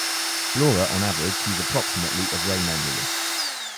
Blora on average sees approximately of rain annually.